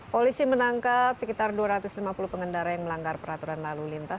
polisi menangkap sekitar dua ratus lima puluh pengendara yang melanggar peraturan lalu lintas